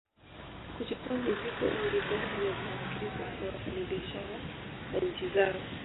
Kuchukua mizigo au bidhaa zinazoagizwa na wafanya biashara wa nchi zao